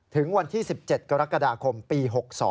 ถึงวันที่๑๗กรกฎาคมปี๖๒